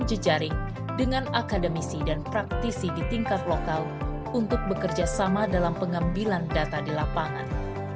jejaring dengan akademisi dan praktisi di tingkat lokal untuk bekerja sama dalam pengambilan data di lapangan